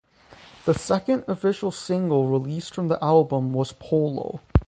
The second official single released from the album was "Polo".